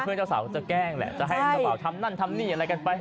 เจ้าสาวก็จะแกล้งแหละจะให้เจ้าบ่าวทำนั่นทำนี่อะไรกันไป